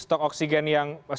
stok oksigen yang sedang diperoleh